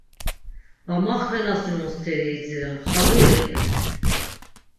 Va maxvenasinonan steri idziren, xaziri iqvit.